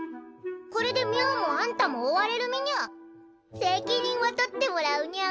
これでミャアもあんたも追われる身ニャ責任は取ってもらうニャん？